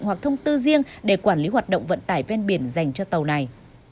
hoặc thông tư riêng để quản lý hoạt động vận tải ven biển dành cho tàu này